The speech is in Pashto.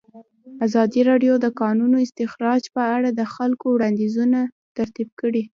ازادي راډیو د د کانونو استخراج په اړه د خلکو وړاندیزونه ترتیب کړي.